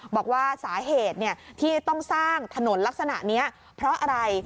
บอกว่าสาเหตุที่ต้องสร้างถนนลักษณะนี้เพราะอะไร